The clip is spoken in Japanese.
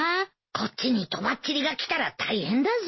こっちにとばっちりがきたら大変だぞ。